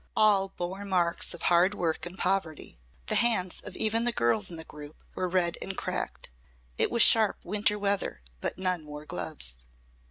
All bore marks of hard work and poverty. The hands of even the girls in the group were red and cracked. It was sharp winter weather, but none wore gloves.